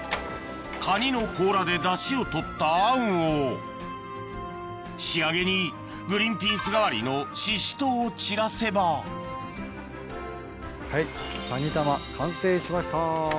カニの甲羅でダシを取ったあんを仕上げにグリーンピース代わりのシシトウを散らせばはいカニ玉完成しました。